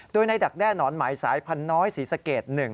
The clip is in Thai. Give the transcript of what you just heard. โดยในดักแด้นอนหมายสายพันธุ์น้อยสีสะเกด๑